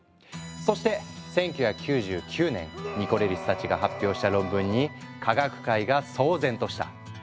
そして１９９９年ニコレリスたちが発表した論文に科学界が騒然とした。